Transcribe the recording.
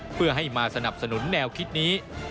เพื่อให้มาสนับสนุนแนวคิดนี้